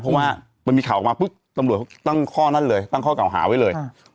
เพราะว่ามันมีข่าวออกมาปุ๊บตำรวจเขาตั้งข้อนั้นเลยตั้งข้อเก่าหาไว้เลย